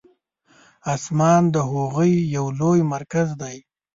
اسماس د هغوی یو لوی مرکز دی.